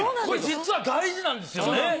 これ実は大事なんですよね。